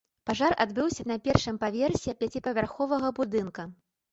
Пажар адбыўся на першым паверсе пяціпавярховага будынка.